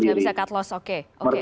tidak bisa cut loss oke